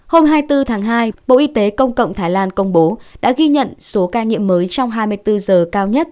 hôm hai mươi bốn tháng hai bộ y tế công cộng thái lan công bố đã ghi nhận số ca nhiễm mới trong hai mươi bốn giờ cao nhất